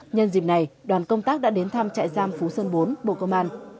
nhân dịp này đoàn công tác đã đến thăm trại giam phú sơn bốn bộ công an